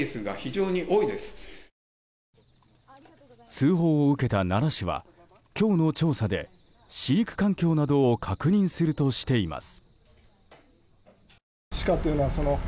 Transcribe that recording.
通報を受けた奈良市は今日の調査で飼育環境などを確認するとしています。